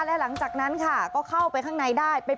และหลังจากนั้นค่ะก็เข้าไปข้างในได้